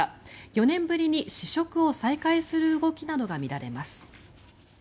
４年ぶりに試食を再開する動きなどが見られます。